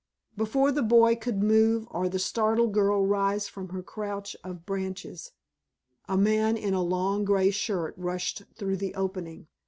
Before the boy could move or the startled girl rise from her couch of branches, a man in a long grey shirt rushed through the opening.